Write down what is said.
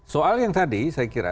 soal yang tadi saya kira